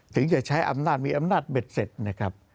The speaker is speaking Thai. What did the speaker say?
ถึงจะใช้อำนาจมีอำนาจเบ็ดเสร็จนะครับ